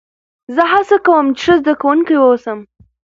زه هڅه کوم، چي ښه زدهکوونکی واوسم.